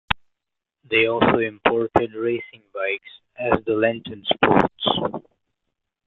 They also imported racing bikes as the Lenton Sports.